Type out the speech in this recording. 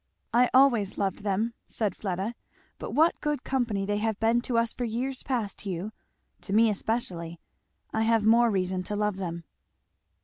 "I always loved them," said Fleda. "But what good company they have been to us for years past, Hugh; to me especially; I have more reason to love them."